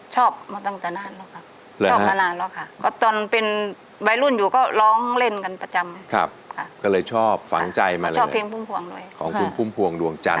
ชอบมาตั้งแต่นานแล้วครับชอบมานานแล้วค่ะ